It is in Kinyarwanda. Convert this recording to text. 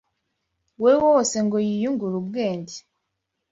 we wose ngo yiyungure ubwenge